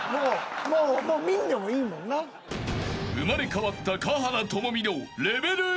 ［生まれ変わった華原朋美の］